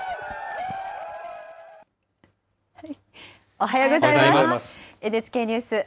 おはようございます。